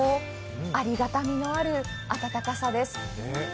ありがたみのある暖かさです。